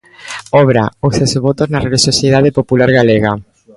Obra: "Os exvotos na relixiosidade popular galega".